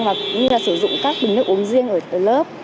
và cũng như là sử dụng các bình nước uống riêng ở lớp